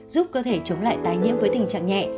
giúp cơ thể chống lại tái nhiễm với tình trạng nhẹ